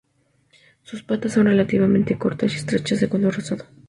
Sus patas son relativamente cortas y estrechas y de color rosado.